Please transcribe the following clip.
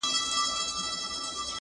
خانه ستا او د عُمرې یې سره څه.